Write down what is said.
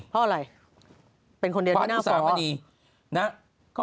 เพราะอะไรเป็นคนเดียวด้วยน้าภ